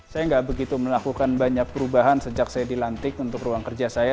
saya nggak begitu melakukan banyak perubahan sejak saya dilantik untuk ruang kerja saya